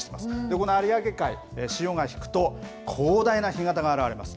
この有明海、潮が引くと、広大な干潟が現れます。